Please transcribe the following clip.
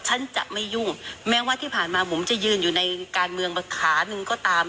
ฉันจะไม่ยุ่งแม้ว่าที่ผ่านมาบุ๋มจะยืนอยู่ในการเมืองขาหนึ่งก็ตาม